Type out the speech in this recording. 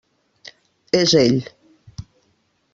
És ell.